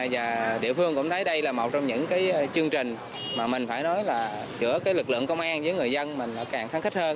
và địa phương cũng thấy đây là một trong những cái chương trình mà mình phải nói là giữa cái lực lượng công an với người dân mình càng kháng khích hơn